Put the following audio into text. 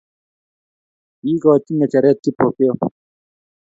Kiikoch ngecheret Kipokeo